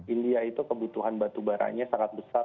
india itu kebutuhan batubaranya sangat besar